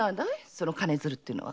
その金づるってのは。